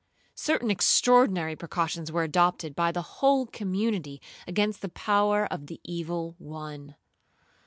Certain extraordinary precautions were adopted by the whole community against the power of the evil one.